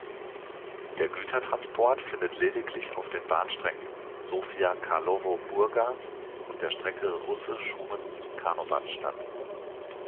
Der Gütertransport findet lediglich auf den Bahnstrecken Sofia–Karlowo–Burgas und der Strecke Russe–Schumen–Karnobat statt.